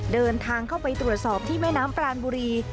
เดินทางเข้าไปตรวจสอบที่แม่น้ำปรานบุรี